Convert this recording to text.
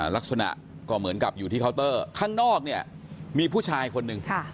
ลักษณะก็เหมือนกับอยู่ที่เคาน์เตอร์ข้างนอกเนี่ยมีผู้ชายคนหนึ่ง